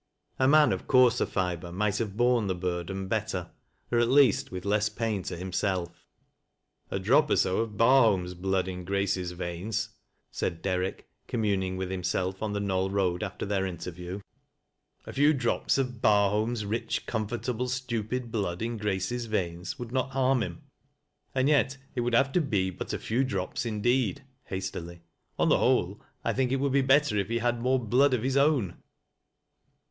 A man of coai ser fiber might have borne the burden better — or at least with iesB pain to himself. "A drop or so of Barholm's blood in Grace's veins,'' said Derrick, communing with himself on the Knoll Road after their interview —" a few drops of Barholm's rich, oomfortable, stupid blood in G race's veins would net harm him. And yet it would ha\e to be but a few drcpe indeed," hastily. "On the whole 1 think it w.ald b« better if he had more blood of his own."